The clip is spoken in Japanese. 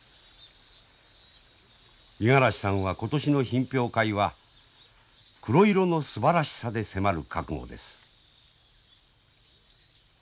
五十嵐さんは今年の品評会は黒色のすばらしさで迫る覚悟です。